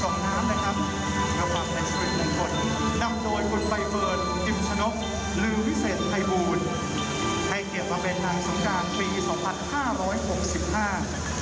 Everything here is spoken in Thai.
นำโดยกุธใบเฟิร์นพีมพ์ชะนกลื้อวิเศษไพบูรให้เกี่ยวมาเป็นนางสงกรานปีสองพันห้าร้อยหกสิบห้า